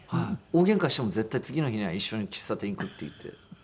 大げんかしても絶対次の日には一緒に喫茶店行くって言って。